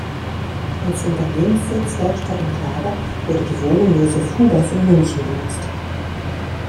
Als Unternehmenssitz, Werkstatt und Lager, wurde die Wohnung Josef Hubers in München genutzt.